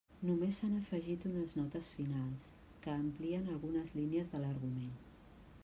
Només s'han afegit unes notes finals, que amplien algunes línies de l'argument.